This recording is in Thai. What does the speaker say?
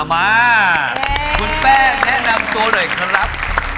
มาคุณแป้งแนะนำตัวหน่อยครับ